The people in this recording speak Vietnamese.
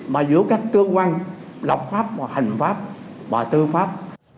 mà giữa các cơ quan lập pháp và hành pháp và tư pháp